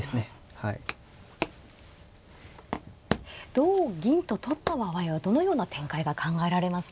同銀と取った場合はどのような展開が考えられますか。